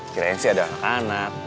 kirain sih ada anak anak